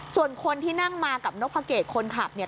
ส่วนคนที่นั่งมากับนกพระเกตคนขับเนี่ย